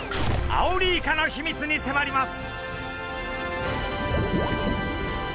アオリイカの秘密にせまります！